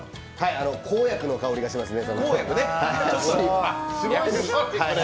こう薬の香りがしますね。